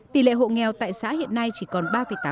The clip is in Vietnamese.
tỷ lệ hộ nghèo tại xã hiện nay chỉ còn ba tám